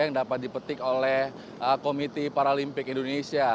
yang dapat dipetik oleh komiti paralimpik indonesia